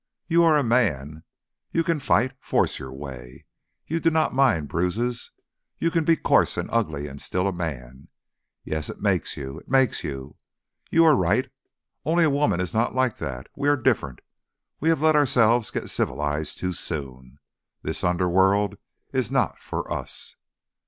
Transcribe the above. You are a man, you can fight, force your way. You do not mind bruises. You can be coarse and ugly, and still a man. Yes it makes you. It makes you. You are right. Only a woman is not like that. We are different. We have let ourselves get civilised too soon. This underworld is not for us."